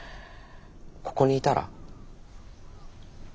ここにいたら？